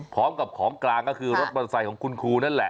พร้อมกับของกลางก็คือรถมัตตาไซค์ของคุณครูนั่นแหละ